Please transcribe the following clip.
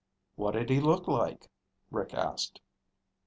"What did he look like?" Rick asked.